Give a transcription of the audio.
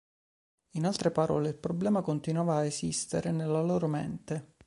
In altre parole il problema continuava a esistere nella loro mente.